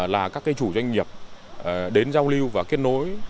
là các chủ doanh nghiệp đến giao lưu và kết nối